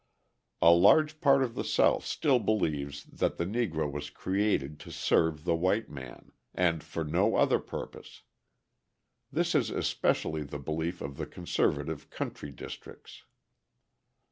A large part of the South still believes that the Negro was created to serve the white man, and for no other purpose. This is especially the belief in the conservative country districts.